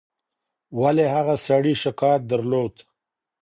ولي هغه سړي شکايت درلود؟